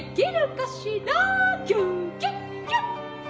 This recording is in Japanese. キュキュッキュッ」。